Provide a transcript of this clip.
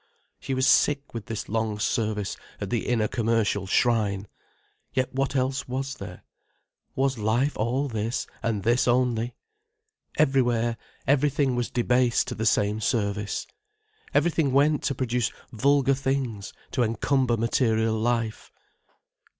She was sick with this long service at the inner commercial shrine. Yet what else was there? Was life all this, and this only? Everywhere, everything was debased to the same service. Everything went to produce vulgar things, to encumber material life.